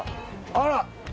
あら！